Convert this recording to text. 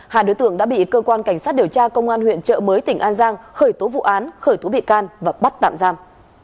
hai đối tượng đã bị cơ quan cảnh sát điều tra công an huyện trợ mới tỉnh an giang khởi tố vụ án khởi tố bị can và bắt tạm giam